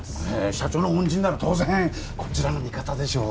社長の恩人なら当然こちらの味方でしょう